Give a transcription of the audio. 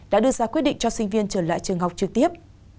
đã đưa ra quyết định cho sinh viên trở lại trường học trực tiếp